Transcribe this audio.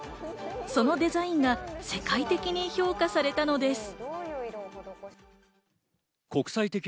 そのデザインが世界的に評価されたのです。